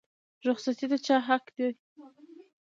رخصتي د چا حق دی؟